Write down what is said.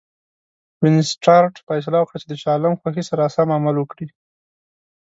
وینسیټارټ فیصله وکړه چې د شاه عالم خوښي سره سم عمل وکړي.